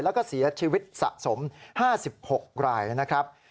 แล้วก็เสียชีวิตสะสม๕๖รายนะครับ